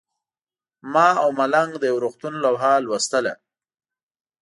ما او ملنګ د یو روغتون لوحه لوستله.